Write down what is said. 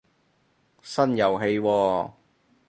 新遊戲喎